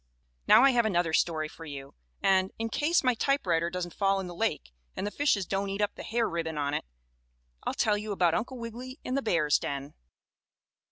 Now I have another story for you, and, in case my typewriter doesn't fall in the lake and the fishes don't eat up the hair ribbon on it, I'll tell you about Uncle Wiggily in the bear's den.